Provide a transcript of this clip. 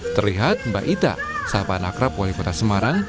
terlihat mbak ita sahabat akrab wali kota semarang